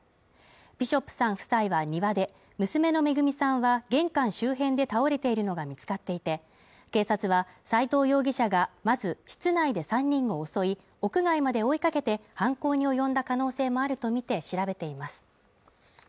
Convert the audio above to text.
ビショップさん夫妻は庭で、娘の恵さんは玄関周辺で倒れているのが見つかっていて警察は斉藤容疑者がまず室内で３人を襲い屋外まで追いかけて犯行に及んだ可能性もあるとみて調べています。